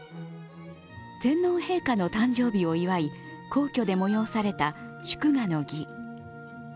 天皇陛下の誕生日を祝い、皇居で催された祝賀の儀。